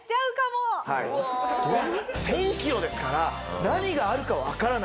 １０００キロですから何があるかわからない。